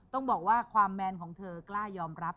ต้องบอกว่าความแมนของเธอกล้ายอมรับ